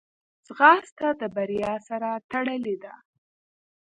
ځغاسته د بریا سره تړلې ده